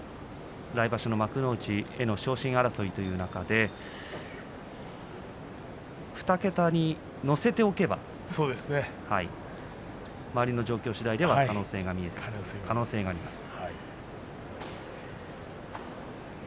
来場所、幕内への昇進争いという中で２桁に乗せておけば周りの状況しだいでは可能性があります。